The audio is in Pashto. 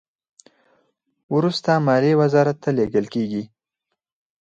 وروسته مالیې وزارت ته لیږل کیږي.